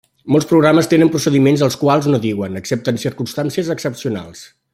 Molts programes tenen procediments als quals no diuen, excepte en circumstàncies excepcionals.